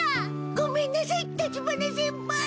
ごめんなさい立花先輩！